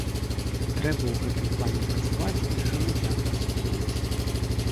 Трэба ў гэтым плане працаваць і з грамадзянскай супольнасцю.